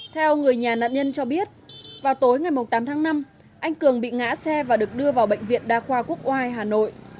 theo người nhà nạn nhân cho biết vào tối ngày tám tháng năm anh cường bị ngã xe và được đưa vào bệnh viện đa khoa quốc oai hà nội